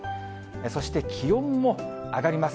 そして気温も上がります。